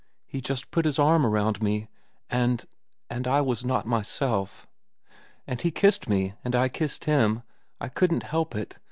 He just put his arm around me. And—and I was not myself. And he kissed me, and I kissed him. I couldn't help it.